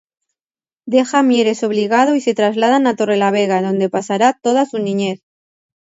Deja Mieres obligado y se trasladan a Torrelavega en dónde pasará toda su niñez.